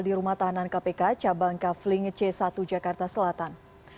di rumah tahanan kpk cabang kafling c satu jakarta selatan